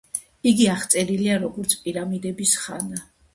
იგი აღწერილია, როგორც „პირამიდების ხანა“.